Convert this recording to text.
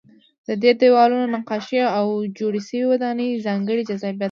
د دې دیوالونو نقاشۍ او جوړې شوې ودانۍ ځانګړی جذابیت لري.